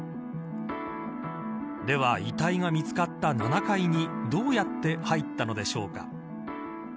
では、遺体が見つかった７階にどうやって入ったのでしょうか。